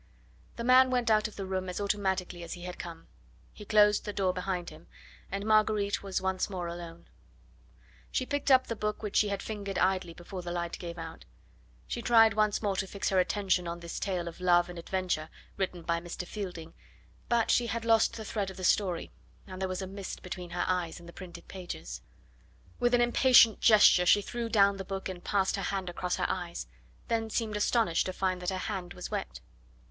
The man went out of the room as automatically as he had come. He closed the door behind him, and Marguerite was once more alone. She picked up the book which she had fingered idly before the light gave out. She tried once more to fix her attention on this tale of love and adventure written by Mr. Fielding; but she had lost the thread of the story, and there was a mist between her eyes and the printed pages. With an impatient gesture she threw down the book and passed her hand across her eyes, then seemed astonished to find that her hand was wet.